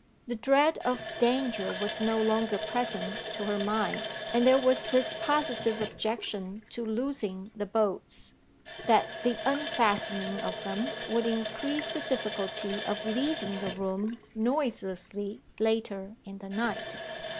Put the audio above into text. The dread of danger was no longer present to her mind; and there was this positive objection to losing the bolts, that the unfastening of them would increase the difficulty of leaving the room noiselessly later in the night.